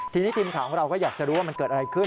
ทีนี้ทีมข่าวของเราก็อยากจะรู้ว่ามันเกิดอะไรขึ้น